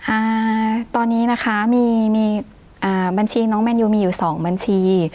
อ่าตอนนี้นะคะมีมีอ่าบัญชีน้องแมนยูมีอยู่สองบัญชี